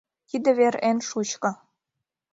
Тиде вер эн шучко.